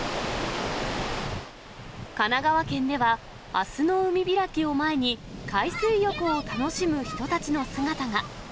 神奈川県では、あすの海開きを前に、海水浴を楽しむ人たちの姿が。